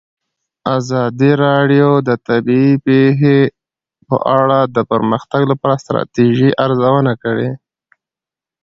ازادي راډیو د طبیعي پېښې په اړه د پرمختګ لپاره د ستراتیژۍ ارزونه کړې.